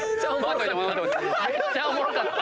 めっちゃおもろかった。